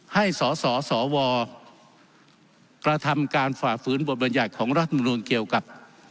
ให้สสสวกระทำการฝ่าฝืนบทบรรยัติของรัฐมนุนเกี่ยวกับ